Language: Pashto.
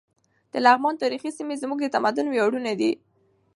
د لغمان تاریخي سیمې زموږ د تمدن ویاړونه دي.